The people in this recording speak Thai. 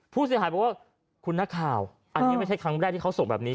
ผู้เสียหายบอกว่าคุณนักข่าวอันนี้ไม่ใช่ครั้งแรกที่เขาส่งแบบนี้